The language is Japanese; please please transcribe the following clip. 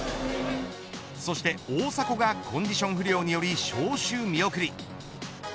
そして大迫がコンディション不良により招集見送り。